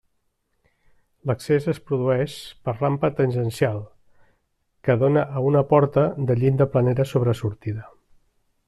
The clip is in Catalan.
L'accés es produeix per rampa tangencial, que dóna a una porta de llinda planera sobresortida.